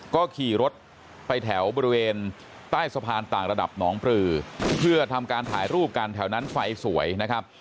ก็ขี่รถไปแถวบริเวณใต้สะพานต่างระดับหนองปลือเพื่อทำการถ่ายรูปกันแถวนั้นไฟสวยนะครับ